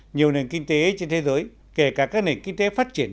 nhiều nền kinh tế trên thế giới kể cả các nền kinh tế phát triển